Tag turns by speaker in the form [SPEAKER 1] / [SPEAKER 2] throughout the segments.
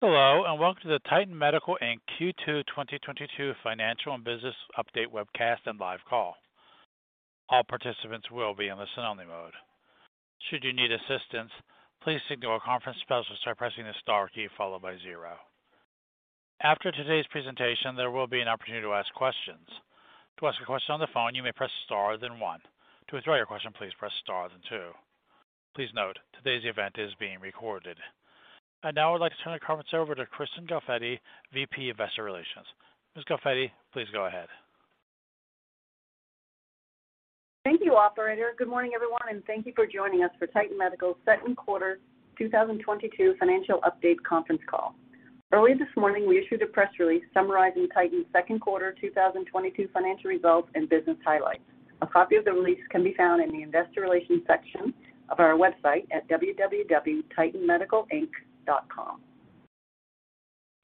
[SPEAKER 1] Hello, and welcome to the Titan Medical Inc. Q2 2022 Financial and Business Update webcast and live call. All participants will be in listen-only mode. Should you need assistance, please signal a conference sponsor by pressing the star key followed by zero. After today's presentation, there will be an opportunity to ask questions. To ask a question on the phone, you may press star then one. To withdraw your question, please press star then two. Please note, today's event is being recorded. Now I'd like to turn the conference over to Kristen Galfetti, VP Investor Relations. Ms. Galfetti, please go ahead.
[SPEAKER 2] Thank you, operator. Good morning, everyone, and thank you for joining us for Titan Medical's second quarter 2022 financial update conference call. Early this morning, we issued a press release summarizing Titan's second quarter 2022 financial results and business highlights. A copy of the release can be found in the investor relations section of our website at www.titanmedicalinc.com.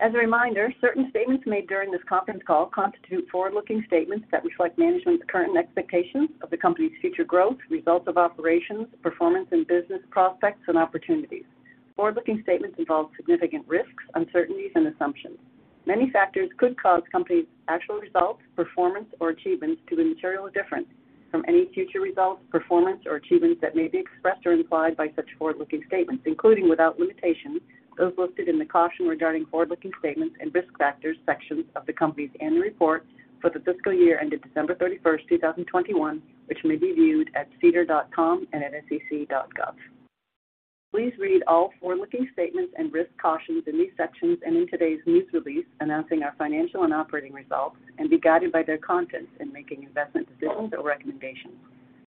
[SPEAKER 2] As a reminder, certain statements made during this conference call constitute forward-looking statements that reflect management's current expectations of the company's future growth, results of operations, performance and business prospects and opportunities. Forward-looking statements involve significant risks, uncertainties and assumptions. Many factors could cause the company's actual results, performance or achievements to be materially different from any future results, performance or achievements that may be expressed or implied by such forward-looking statements, including, without limitation, those listed in the Caution Regarding Forward-Looking Statements and Risk Factors sections of the company's annual report for the fiscal year ended December 31st, 2021, which may be viewed at sedar.com and at sec.gov. Please read all forward-looking statements and risk cautions in these sections and in today's news release announcing our financial and operating results and be guided by their contents in making investment decisions or recommendations.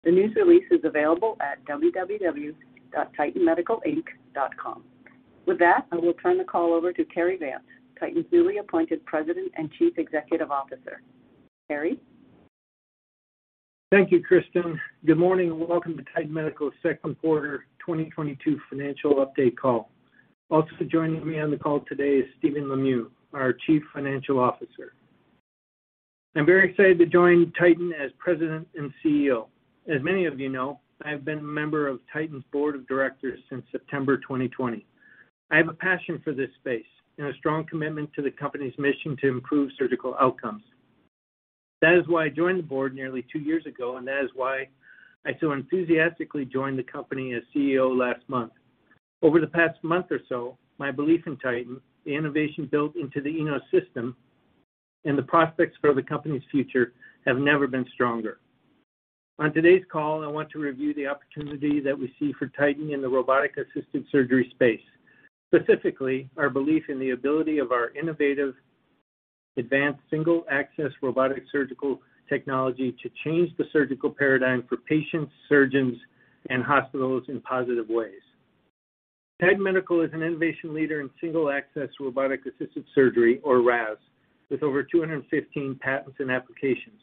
[SPEAKER 2] The news release is available at www.titanmedicalinc.com. With that, I will turn the call over to Cary Vance, Titan's newly appointed President and Chief Executive Officer. Cary?
[SPEAKER 3] Thank you, Kristen. Good morning, and welcome to Titan Medical's second quarter 2022 financial update call. Also joining me on the call today is Stephen Lemieux, our Chief Financial Officer. I'm very excited to join Titan as President and CEO. As many of you know, I have been a member of Titan's board of directors since September 2020. I have a passion for this space and a strong commitment to the company's mission to improve surgical outcomes. That is why I joined the board nearly two years ago, and that is why I so enthusiastically joined the company as CEO last month. Over the past month or so, my belief in Titan, the innovation built into the Enos system, and the prospects for the company's future have never been stronger. On today's call, I want to review the opportunity that we see for Titan in the robotic-assisted surgery space, specifically our belief in the ability of our innovative advanced single-access robotic surgical technology to change the surgical paradigm for patients, surgeons, and hospitals in positive ways. Titan Medical is an innovation leader in single-access robotic-assisted surgery, or RAS, with over 215 patents and applications.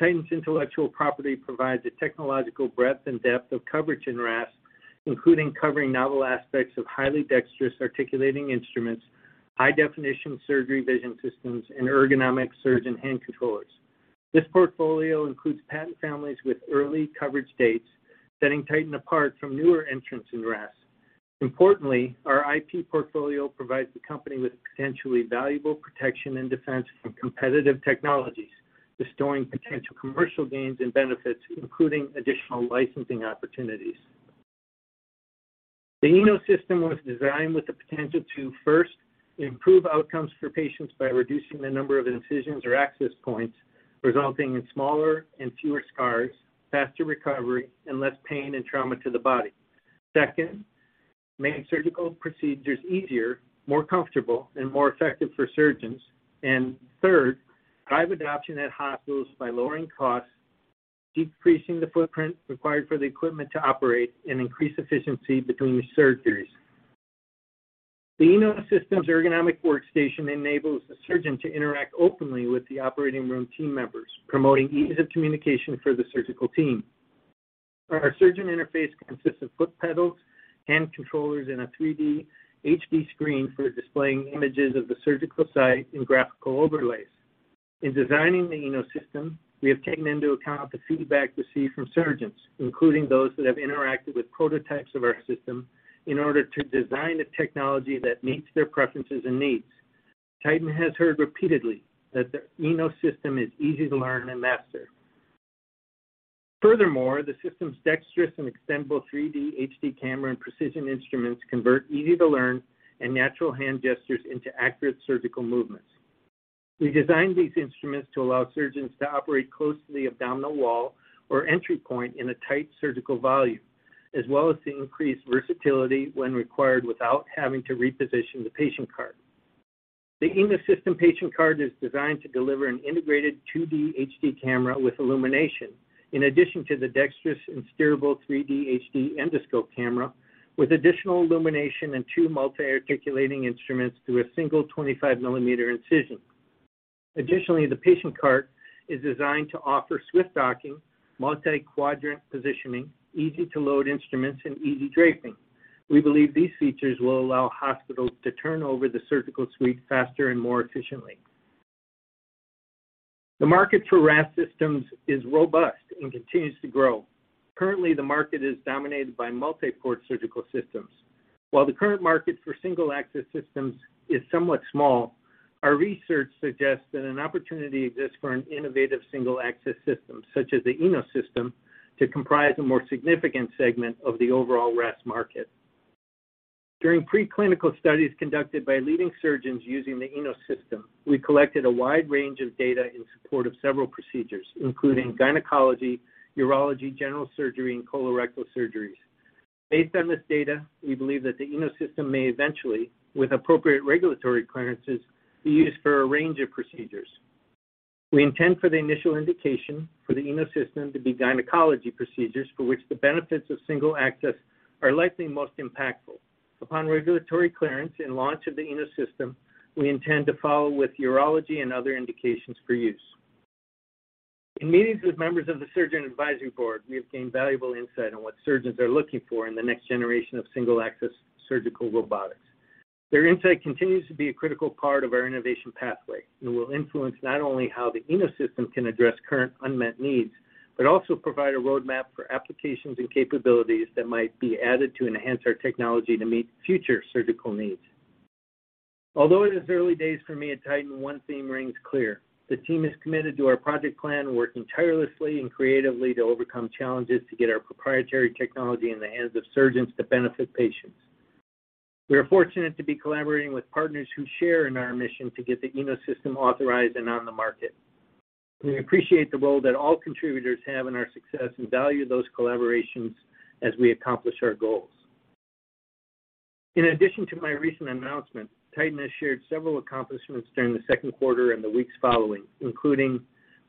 [SPEAKER 3] Titan's intellectual property provides a technological breadth and depth of coverage in RAS, including covering novel aspects of highly dexterous articulating instruments, high-definition surgery vision systems, and ergonomic surgeon hand controllers. This portfolio includes patent families with early coverage dates, setting Titan apart from newer entrants in RAS. Importantly, our IP portfolio provides the company with potentially valuable protection and defense from competitive technologies, bestowing potential commercial gains and benefits, including additional licensing opportunities. The Enos system was designed with the potential to, first, improve outcomes for patients by reducing the number of incisions or access points, resulting in smaller and fewer scars, faster recovery, and less pain and trauma to the body. Second, make surgical procedures easier, more comfortable, and more effective for surgeons. Third, drive adoption at hospitals by lowering costs, decreasing the footprint required for the equipment to operate, and increase efficiency between surgeries. The Enos system's ergonomic workstation enables the surgeon to interact openly with the operating room team members, promoting ease of communication for the surgical team. Our surgeon interface consists of foot pedals, hand controllers, and a 3D HD screen for displaying images of the surgical site and graphical overlays. In designing the Enos system, we have taken into account the feedback received from surgeons, including those that have interacted with prototypes of our system in order to design a technology that meets their preferences and needs. Titan has heard repeatedly that the Enos system is easy to learn and master. Furthermore, the system's dexterous and extendable 3D HD camera and precision instruments convert easy-to-learn and natural hand gestures into accurate surgical movements. We designed these instruments to allow surgeons to operate close to the abdominal wall or entry point in a tight surgical volume, as well as to increase versatility when required without having to reposition the patient cart. The Enos system patient cart is designed to deliver an integrated 2D HD camera with illumination, in addition to the dexterous and steerable 3D HD endoscope camera with additional illumination and two multi-articulating instruments through a single 25 mm incision. Additionally, the patient cart is designed to offer swift docking, multi-quadrant positioning, easy-to-load instruments, and easy draping. We believe these features will allow hospitals to turn over the surgical suite faster and more efficiently. The market for RAS systems is robust and continues to grow. Currently, the market is dominated by multi-port surgical systems. While the current market for single-access systems is somewhat small, our research suggests that an opportunity exists for an innovative single-access system, such as the Enos system, to comprise a more significant segment of the overall RAS market. During preclinical studies conducted by leading surgeons using the Enos system, we collected a wide range of data in support of several procedures, including gynecology, urology, general surgery, and colorectal surgeries. Based on this data, we believe that the Enos system may eventually, with appropriate regulatory clearances, be used for a range of procedures. We intend for the initial indication for the Enos system to be gynecology procedures for which the benefits of single access are likely most impactful. Upon regulatory clearance and launch of the Enos system, we intend to follow with urology and other indications for use. In meetings with members of the Surgeon Advisory Board, we have gained valuable insight on what surgeons are looking for in the next generation of single-access surgical robotics. Their insight continues to be a critical part of our innovation pathway and will influence not only how the Enos system can address current unmet needs, but also provide a roadmap for applications and capabilities that might be added to enhance our technology to meet future surgical needs. Although it is early days for me at Titan, one theme rings clear. The team is committed to our project plan, working tirelessly and creatively to overcome challenges to get our proprietary technology in the hands of surgeons to benefit patients. We are fortunate to be collaborating with partners who share in our mission to get the Enos system authorized and on the market. We appreciate the role that all contributors have in our success and value those collaborations as we accomplish our goals. In addition to my recent announcement, Titan has shared several accomplishments during the second quarter and the weeks following, including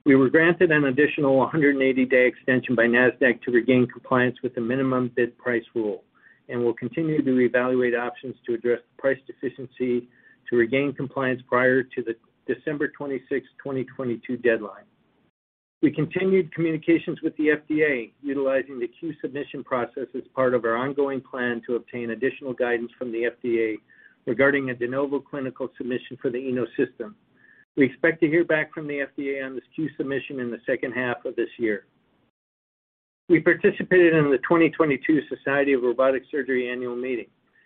[SPEAKER 3] we were granted an additional 180-day extension by Nasdaq to regain compliance with the minimum bid price rule, and we'll continue to reevaluate options to address the price deficiency to regain compliance prior to the December 26th, 2022 deadline. We continued communications with the FDA, utilizing the Q-Submission process as part of our ongoing plan to obtain additional guidance from the FDA regarding a de novo clinical submission for the ENOS system. We expect to hear back from the FDA on this Q-Submission in the second half of this year. We participated in the 2022 Society of Robotic Surgery annual meeting.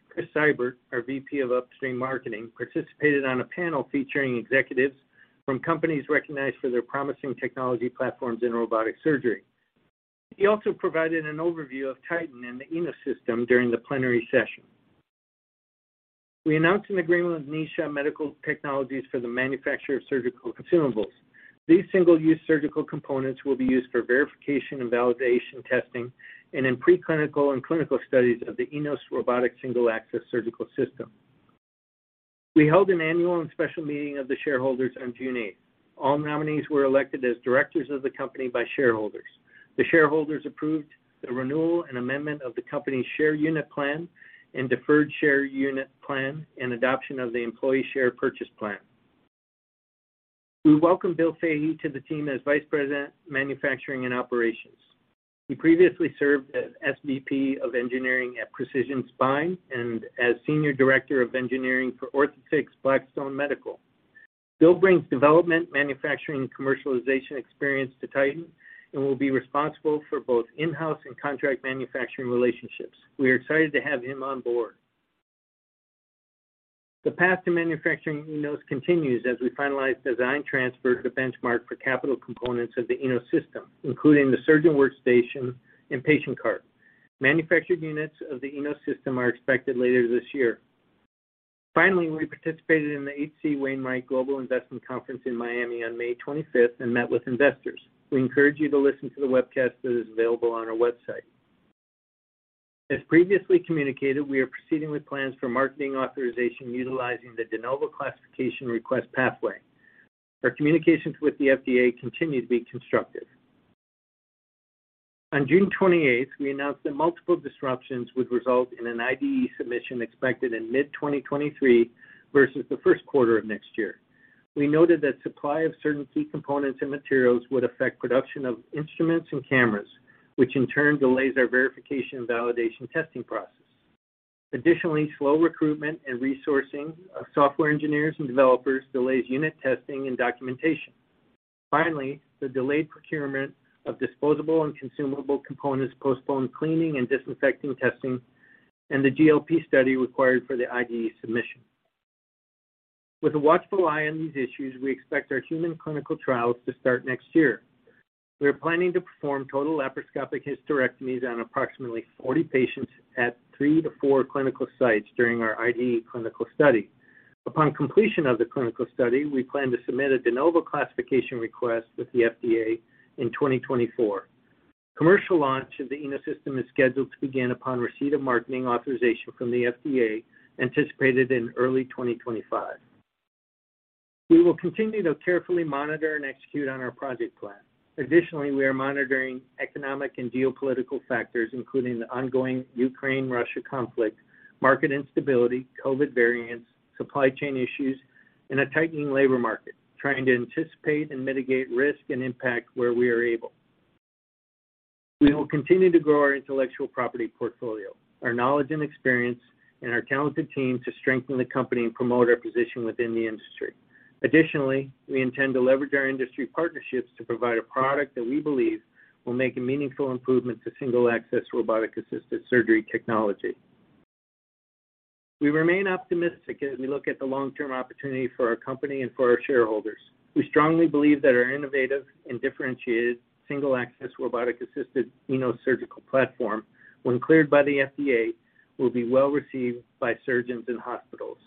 [SPEAKER 3] Chris Seibert, our VP of Upstream Marketing, participated on a panel featuring executives from companies recognized for their promising technology platforms in robotic surgery. He also provided an overview of Titan and the ENOS system during the plenary session. We announced an agreement with Nissha Medical Technologies for the manufacture of surgical consumables. These single-use surgical components will be used for verification and validation testing and in preclinical and clinical studies of the ENOS robotic single-access surgical system. We held an annual and special meeting of the shareholders on June eighth. All nominees were elected as directors of the company by shareholders. The shareholders approved the renewal and amendment of the company's share unit plan and deferred share unit plan and adoption of the employee share purchase plan. We welcomed Bill Fahey to the team as Vice President, Manufacturing and Operations. He previously served as SVP of Engineering at Precision Spine and as Senior Director of Engineering for Blackstone Medical, Inc. Bill brings development, manufacturing, and commercialization experience to Titan and will be responsible for both in-house and contract manufacturing relationships. We are excited to have him on board. The path to manufacturing ENOS continues as we finalize design transfer to Benchmark for capital components of the ENOS system, including the surgeon workstation and patient cart. Manufactured units of the ENOS system are expected later this year. Finally, we participated in the H.C. Wainwright Global Investment Conference in Miami on May 25th and met with investors. We encourage you to listen to the webcast that is available on our website. As previously communicated, we are proceeding with plans for marketing authorization utilizing the de novo classification request pathway. Our communications with the FDA continue to be constructive. On June 28th, we announced that multiple disruptions would result in an IDE submission expected in mid-2023 versus the first quarter of next year. We noted that supply of certain key components and materials would affect production of instruments and cameras, which in turn delays our verification and validation testing process. Additionally, slow recruitment and resourcing of software engineers and developers delays unit testing and documentation. Finally, the delayed procurement of disposable and consumable components postpones cleaning and disinfecting testing and the GLP study required for the IDE submission. With a watchful eye on these issues, we expect our human clinical trials to start next year. We are planning to perform total laparoscopic hysterectomies on approximately 40 patients at 3-4 clinical sites during our IDE clinical study. Upon completion of the clinical study, we plan to submit a de novo classification request with the FDA in 2024. Commercial launch of the Enos system is scheduled to begin upon receipt of marketing authorization from the FDA, anticipated in early 2025. We will continue to carefully monitor and execute on our project plan. Additionally, we are monitoring economic and geopolitical factors, including the ongoing Ukraine-Russia conflict, market instability, COVID variants, supply chain issues, and a tightening labor market, trying to anticipate and mitigate risk and impact where we are able. We will continue to grow our intellectual property portfolio, our knowledge and experience, and our talented team to strengthen the company and promote our position within the industry. Additionally, we intend to leverage our industry partnerships to provide a product that we believe will make a meaningful improvement to single-access robotic-assisted surgery technology. We remain optimistic as we look at the long-term opportunity for our company and for our shareholders. We strongly believe that our innovative and differentiated single-access robotic-assisted Enos surgical platform, when cleared by the FDA, will be well received by surgeons and hospitals.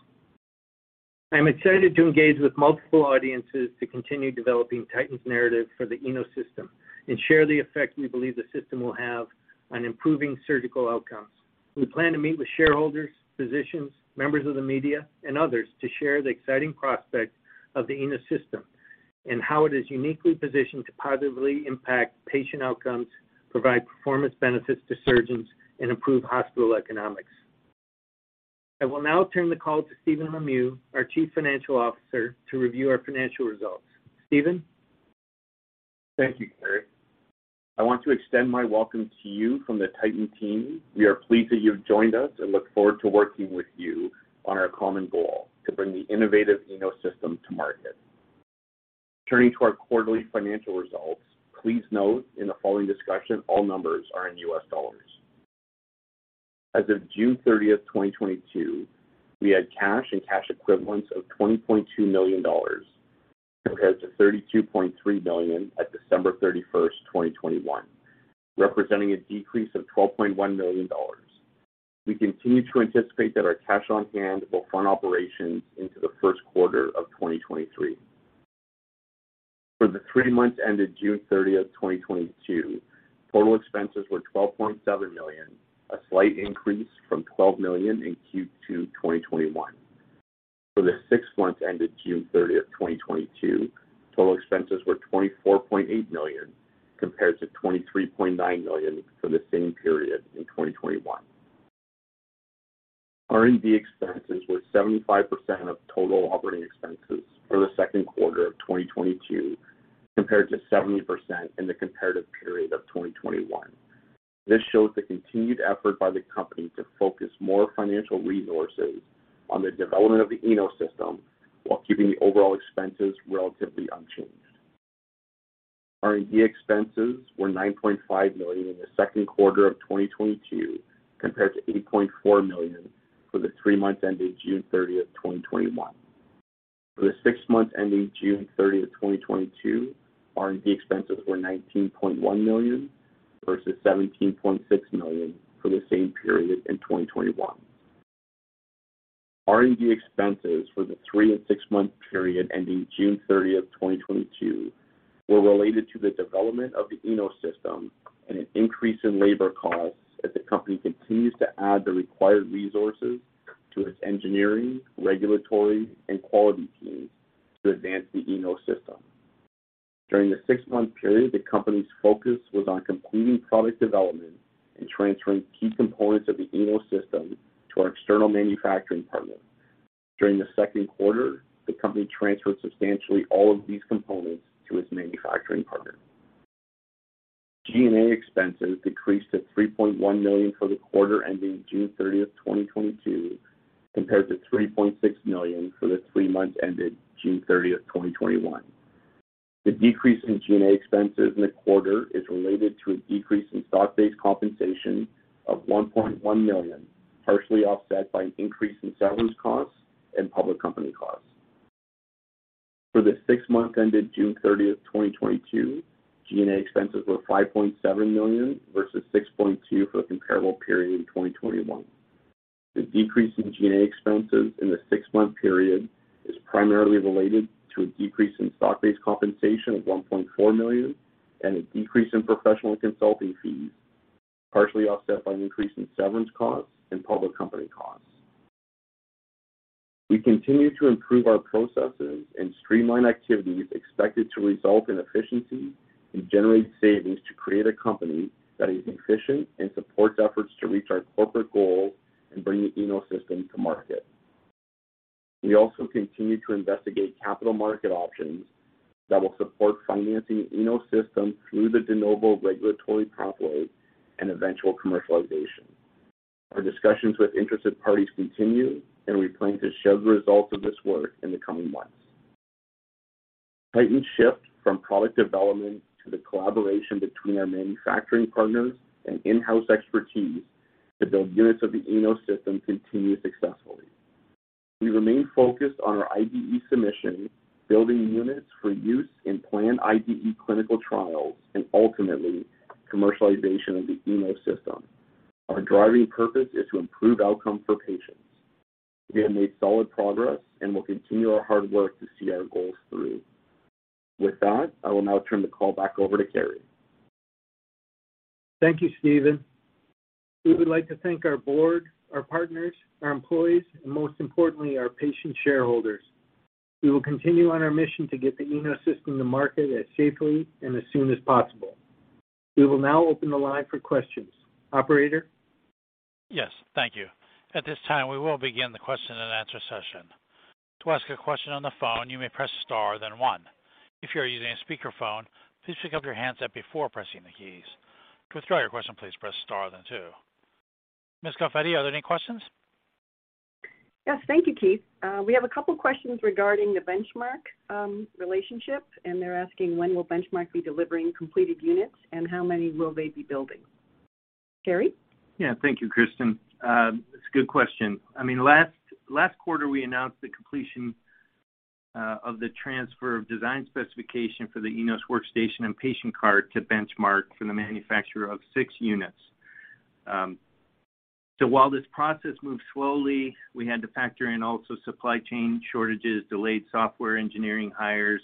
[SPEAKER 3] I'm excited to engage with multiple audiences to continue developing Titan's narrative for the Enos system and share the effect we believe the system will have on improving surgical outcomes. We plan to meet with shareholders, physicians, members of the media, and others to share the exciting prospects of the Enos system and how it is uniquely positioned to positively impact patient outcomes, provide performance benefits to surgeons, and improve hospital economics. I will now turn the call to Stephen Lemieux, our chief financial officer, to review our financial results. Stephen?
[SPEAKER 4] Thank you, Cary. I want to extend my welcome to you from the Titan team. We are pleased that you've joined us and look forward to working with you on our common goal to bring the innovative Enos system to market. Turning to our quarterly financial results, please note in the following discussion, all numbers are in US dollars. As of June 30, 2022, we had cash and cash equivalents of $20.2 million compared to $32.3 million at December 31st, 2021, representing a decrease of $12.1 million. We continue to anticipate that our cash on hand will fund operations into the first quarter of 2023. For the three months ended June 30, 2022, total expenses were $12.7 million, a slight increase from $12 million in Q2 2021. For the six months ended June 30th, 2022, total expenses were $24.8 million compared to $23.9 million for the same period in 2021. R&D expenses were 75% of total operating expenses for the second quarter of 2022, compared to 70% in the comparative period of 2021. This shows the continued effort by the company to focus more financial resources on the development of the Enos system while keeping the overall expenses relatively unchanged. R&D expenses were $9.5 million in the second quarter of 2022, compared to $8.4 million for the three months ending June 30th, 2021. For the six months ending June 30th, 2022, R&D expenses were $19.1 million versus $17.6 million for the same period in 2021. R&D expenses for the three- and six-month period ending June 30th, 2022 were related to the development of the Enos system and an increase in labor costs as the company continues to add the required resources to its engineering, regulatory, and quality teams to advance the Enos system. During the six-month period, the company's focus was on completing product development and transferring key components of the Enos system to our external manufacturing partner. During the second quarter, the company transferred substantially all of these components to its manufacturing partner. G&A expenses decreased to $3.1 million for the quarter ending June 30th, 2022, compared to $3.6 million for the three months ending June 30th, 2021. The decrease in G&A expenses in the quarter is related to a decrease in stock-based compensation of $1.1 million, partially offset by an increase in severance costs and public company costs. For the six months ending June 30th, 2022, G&A expenses were $5.7 million versus $6.2 million for the comparable period in 2021. The decrease in G&A expenses in the six-month period is primarily related to a decrease in stock-based compensation of $1.4 million and a decrease in professional and consulting fees, partially offset by an increase in severance costs and public company costs. We continue to improve our processes and streamline activities expected to result in efficiencies and generate savings to create a company that is efficient and supports efforts to reach our corporate goal in bringing Enos system to market. We also continue to investigate capital market options that will support financing Enos system through the de novo regulatory pathway and eventual commercialization. Our discussions with interested parties continue, and we plan to show the results of this work in the coming months. Titan's shift from product development to the collaboration between our manufacturing partners and in-house expertise to build units of the Enos system continue successfully. We remain focused on our IDE submission, building units for use in planned IDE clinical trials, and ultimately commercialization of the Enos system. Our driving purpose is to improve outcome for patients. We have made solid progress and will continue our hard work to see our goals through. With that, I will now turn the call back over to Cary.
[SPEAKER 3] Thank you, Stephen. We would like to thank our board, our partners, our employees, and most importantly, our patient shareholders. We will continue on our mission to get the Enos system to market as safely and as soon as possible. We will now open the line for questions. Operator?
[SPEAKER 1] Yes. Thank you. At this time, we will begin the question-and-answer session. To ask a question on the phone, you may press Star then One. If you're using a speakerphone, please pick up your handset before pressing the keys. To withdraw your question, please press star then two. Ms. Galfetti, are there any questions?
[SPEAKER 2] Yes. Thank you, Keith. We have a couple questions regarding the Benchmark relationship, and they're asking, when will Benchmark be delivering completed units, and how many will they be building? Cary?
[SPEAKER 3] Yeah. Thank you, Kristen. It's a good question. I mean, last quarter we announced the completion of the transfer of design specification for the Enos workstation and patient cart to Benchmark for the manufacturer of six units. While this process moved slowly, we had to factor in also supply chain shortages, delayed software engineering hires,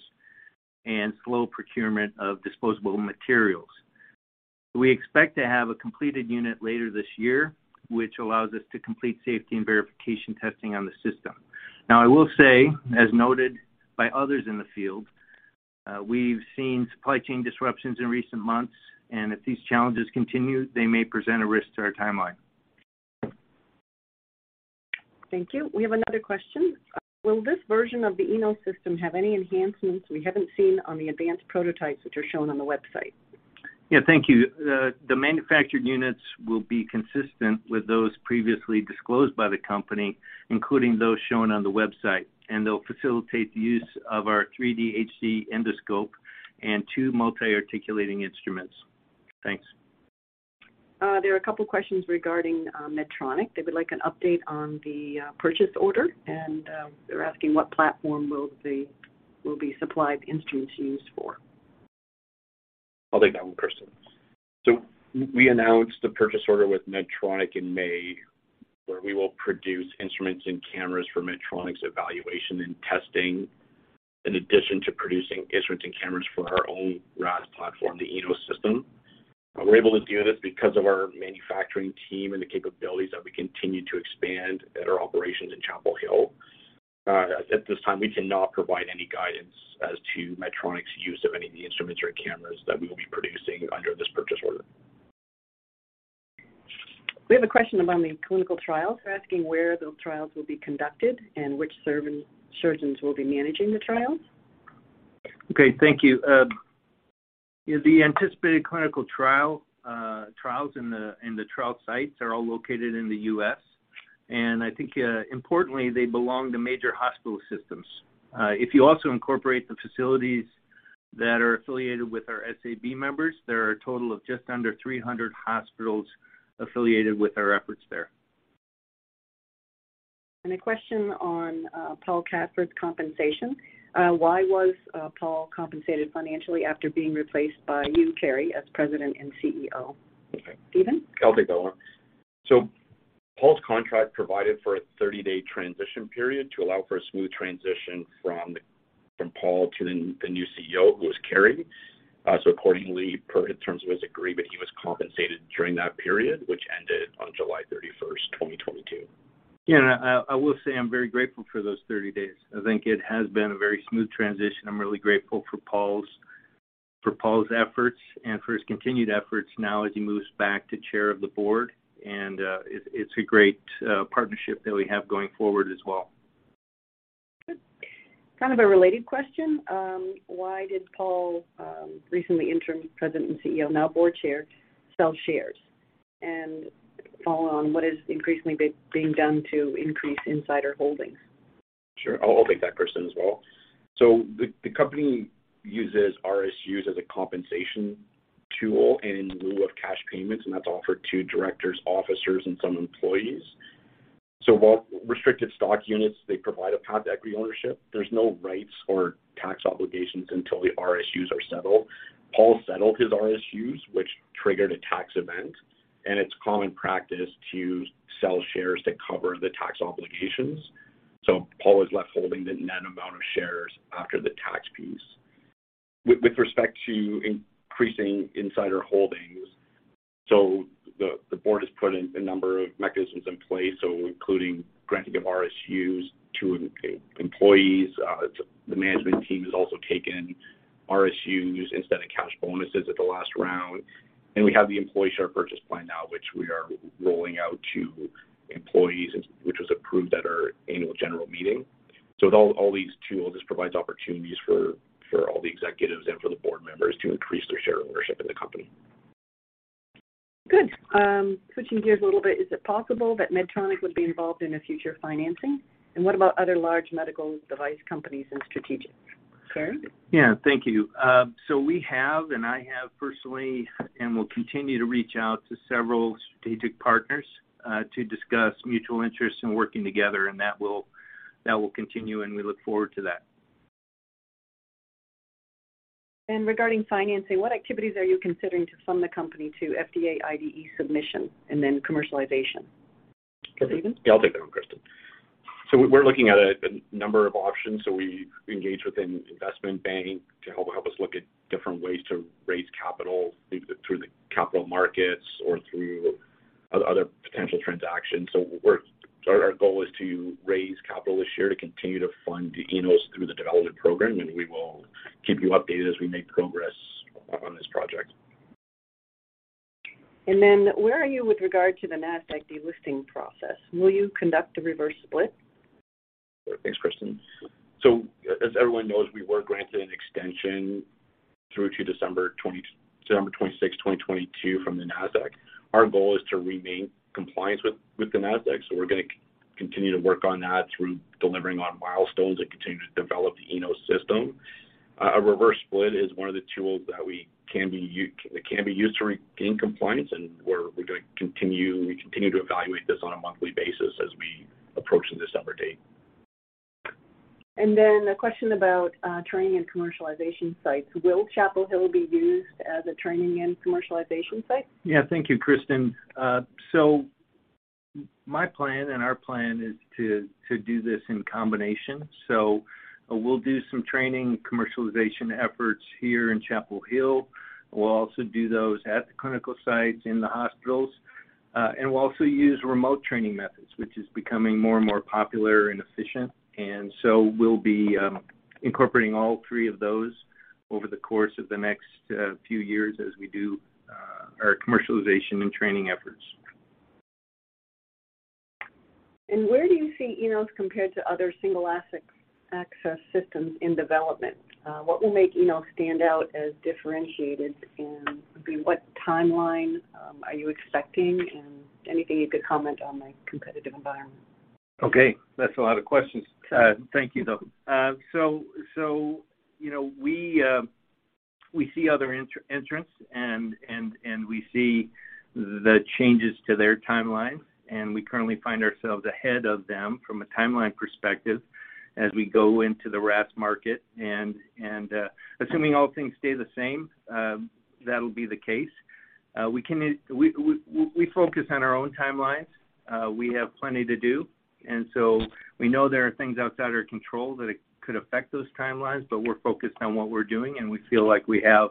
[SPEAKER 3] and slow procurement of disposable materials. We expect to have a completed unit later this year, which allows us to complete safety and verification testing on the system. Now, I will say, as noted by others in the field, we've seen supply chain disruptions in recent months, and if these challenges continue, they may present a risk to our timeline.
[SPEAKER 2] Thank you. We have another question. Will this version of the Enos system have any enhancements we haven't seen on the advanced prototypes which are shown on the website?
[SPEAKER 3] Yeah. Thank you. The manufactured units will be consistent with those previously disclosed by the company, including those shown on the website, and they'll facilitate the use of our 3D HD endoscope and two multi-articulating instruments. Thanks.
[SPEAKER 2] There are a couple questions regarding Medtronic. They would like an update on the purchase order, and they're asking what platform will the supplied instruments be used for.
[SPEAKER 4] I'll take that one, Kristen. We announced the purchase order with Medtronic in May, where we will produce instruments and cameras for Medtronic's evaluation and testing in addition to producing instruments and cameras for our own RAS platform, the Enos system. We're able to do this because of our manufacturing team and the capabilities that we continue to expand at our operations in Chapel Hill. At this time, we cannot provide any guidance as to Medtronic's use of any of the instruments or cameras that we will be producing under this purchase order.
[SPEAKER 2] We have a question about the clinical trials. They're asking where those trials will be conducted and which surgeons will be managing the trials.
[SPEAKER 3] Okay. Thank you. Yeah, the anticipated clinical trials in the trial sites are all located in the U.S. I think, importantly, they belong to major hospital systems. If you also incorporate the facilities that are affiliated with our SAB members, there are a total of just under 300 hospitals affiliated with our efforts there.
[SPEAKER 2] A question on Paul Cataford's compensation. Why was Paul compensated financially after being replaced by you, Cary Vance, as President and CEO?
[SPEAKER 4] Okay.
[SPEAKER 2] Stephen?
[SPEAKER 4] I'll take that one. Paul's contract provided for a 30-day transition period to allow for a smooth transition from Paul to the new CEO, who was Cary. Accordingly, per terms of his agreement, he was compensated during that period, which ended on July 31st, 2022.
[SPEAKER 3] Yeah. I will say I'm very grateful for those 30 days. I think it has been a very smooth transition. I'm really grateful for Paul's efforts and for his continued efforts now as he moves back to Chair of the Board. It's a great partnership that we have going forward as well.
[SPEAKER 2] Good. Kind of a related question. Why did Paul, recently Interim President and CEO, now Board Chair, sell shares? Follow on, what is increasingly being done to increase insider holdings?
[SPEAKER 4] Sure. I'll take that Kristen, as well. The company uses RSUs as a compensation tool and in lieu of cash payments, and that's offered to directors, officers, and some employees. While restricted stock units, they provide a path to equity ownership, there's no rights or tax obligations until the RSUs are settled. Paul settled his RSUs, which triggered a tax event, and it's common practice to sell shares to cover the tax obligations. Paul is left holding the net amount of shares after the tax piece. With respect to increasing insider holdings, the board has put a number of mechanisms in place, so including granting of RSUs to employees. The management team has also taken RSUs instead of cash bonuses at the last round. We have the employee share purchase plan now, which we are rolling out to employees and which was approved at our annual general meeting. With all these tools, this provides opportunities for all the executives and for the board members to increase their share ownership in the company.
[SPEAKER 2] Good. Switching gears a little bit, is it possible that Medtronic would be involved in a future financing? What about other large medical device companies and strategics? Cary?
[SPEAKER 3] Yeah. Thank you. We have, and I have personally and will continue to reach out to several strategic partners to discuss mutual interests in working together, and that will continue, and we look forward to that.
[SPEAKER 2] Regarding financing, what activities are you considering to fund the company to FDA IDE submission and then commercialization? Stephen?
[SPEAKER 4] Yeah, I'll take that one, Kristen. We're looking at a number of options. We've engaged with an investment bank to help us look at different ways to raise capital, maybe through the capital markets or through other potential transactions. Our goal is to raise capital this year to continue to fund Enos through the development program, and we will keep you updated as we make progress.
[SPEAKER 2] Where are you with regard to the Nasdaq delisting process? Will you conduct a reverse split?
[SPEAKER 4] Thanks, Kristen. As everyone knows, we were granted an extension through to December 26th, 2022 from the Nasdaq. Our goal is to remain compliant with the Nasdaq. We're gonna continue to work on that through delivering on milestones and continue to develop the Enos system. A reverse split is one of the tools that can be used to regain compliance, and we're gonna continue to evaluate this on a monthly basis as we approach the December date.
[SPEAKER 2] A question about training and commercialization sites. Will Chapel Hill be used as a training and commercialization site?
[SPEAKER 3] Yeah. Thank you, Kristen. My plan and our plan is to do this in combination. We'll do some training commercialization efforts here in Chapel Hill. We'll also do those at the clinical sites in the hospitals. We'll also use remote training methods, which is becoming more and more popular and efficient. We'll be incorporating all three of those over the course of the next few years as we do our commercialization and training efforts.
[SPEAKER 2] Where do you see Enos compared to other single access systems in development? What will make Enos stand out as differentiated, and what timeline are you expecting? Anything you could comment on the competitive environment.
[SPEAKER 3] Okay. That's a lot of questions. Thank you, though. So, you know, we see other entrants and we see the changes to their timelines, and we currently find ourselves ahead of them from a timeline perspective as we go into the RAS market. Assuming all things stay the same, that'll be the case. We focus on our own timelines. We have plenty to do. We know there are things outside our control that it could affect those timelines, but we're focused on what we're doing, and we feel like we have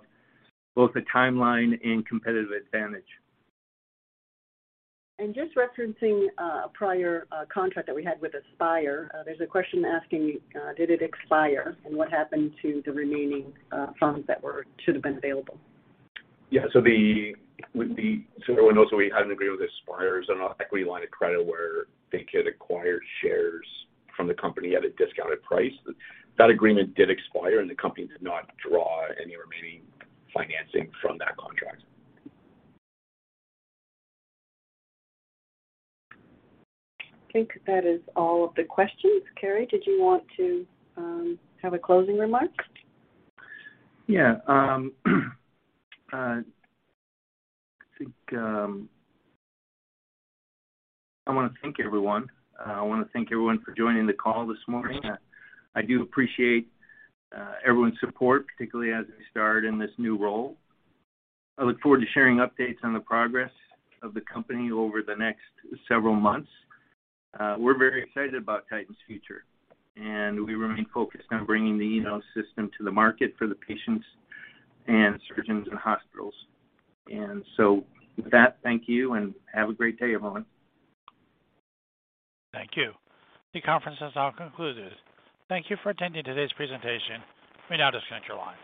[SPEAKER 3] both a timeline and competitive advantage.
[SPEAKER 2] Just referencing a prior contract that we had with Aspire, there's a question asking, did it expire, and what happened to the remaining funds that should have been available?
[SPEAKER 4] Yeah. Everyone knows we had an agreement with Aspire as an equity line of credit where they could acquire shares from the company at a discounted price. That agreement did expire, and the company did not draw any remaining financing from that contract.
[SPEAKER 2] I think that is all of the questions. Cary, did you want to have a closing remark?
[SPEAKER 3] I wanna thank everyone for joining the call this morning. I do appreciate everyone's support, particularly as we start in this new role. I look forward to sharing updates on the progress of the company over the next several months. We're very excited about Titan's future, and we remain focused on bringing the Enos system to the market for the patients and surgeons and hospitals. With that, thank you and have a great day, everyone.
[SPEAKER 1] Thank you. The conference has now concluded. Thank you for attending today's presentation. You may now disconnect your line.